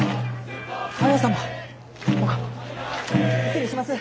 失礼します。